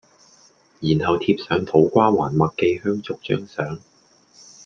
然後貼上土瓜灣麥記香燭張相